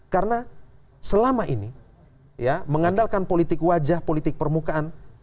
karena selama ini mengandalkan politik wajah politik permukaan